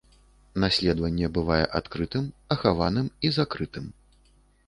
Наследаванне бывае адкрытым, ахаваным і закрытым.